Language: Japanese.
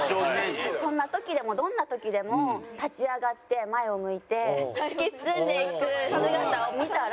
そんな時でもどんな時でも立ち上がって前を向いて突き進んでいく姿を見たら。